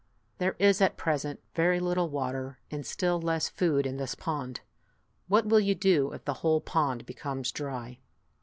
There is at present very little water and still less food in this pond. What will you do if the whole pond becomes dry?"